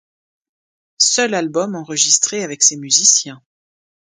Seul album enregistré avec ces musiciens.